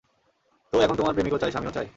তো, এখন তোমার প্রেমিকও চাই, স্বামীও চাই?